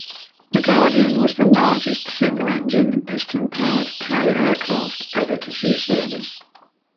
The Guardian was the largest single-engine piston-powered carrier aircraft ever to see service.